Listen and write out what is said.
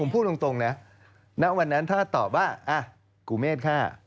พูดตรงนั้นพูดวันนั้นถ้าตอบว่ากูเมฆฆ่า